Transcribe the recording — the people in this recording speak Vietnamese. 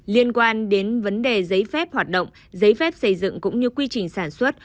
liên quan đến vấn đề giấy phép hoạt động giấy phép xây dựng cũng như quy trình sản xuất